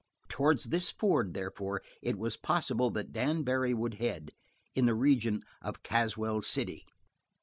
Towards this ford, therefore, it was possible that Dan Barry would head, in the region of Caswell City.